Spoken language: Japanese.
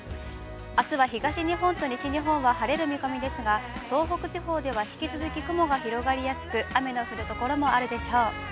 あすは東日本や西日本は晴れる見込みですが、東北地方では、引き続き雲が広がりやすく雨が降る所もあるでしょう。